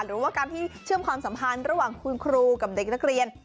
หรือว่าการที่เชื่อมความสัมพันธ์ระหว่างคุณครูกับเด็กนักเรียน